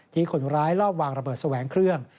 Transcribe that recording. คนร้ายรอบวางระเบิดแสวงเครื่อง